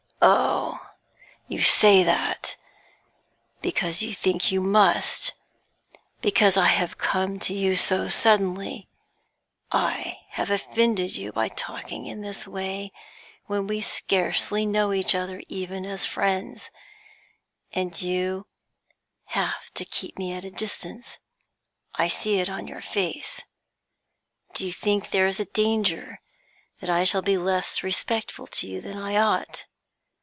'Oh, you say that because you think you must, because I have come to you so suddenly; I have offended you by talking in this way when we scarcely know each other even as friends, and you have to keep me at a distance; I see it on your face. Do you think there is a danger that I should be less respectful to you than I ought?